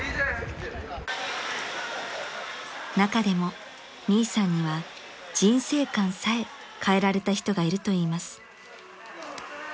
［中でもミイさんには人生観さえ変えられた人がいるといいます］